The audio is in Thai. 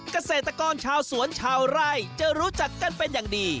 เกษตรกรชาวสวนชาวไร่จะรู้จักกันเป็นอย่างดี